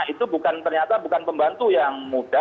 itu bukan ternyata bukan pembantu yang muda